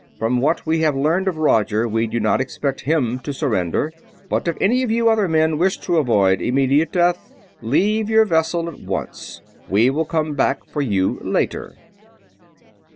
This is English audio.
From what we have learned of Roger, we do not expect him to surrender, but if any of you other men wish to avoid immediate death, leave your vessel at once. We will come back for you later."